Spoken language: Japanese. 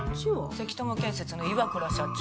積友建設の岩倉社長。